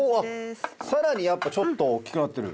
さらにちょっと大っきくなってる。